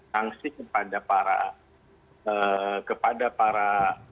sanksi kepada para kepada para